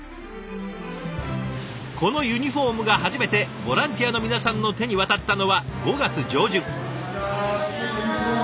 このユニフォームが初めてボランティアの皆さんの手に渡ったのは５月上旬。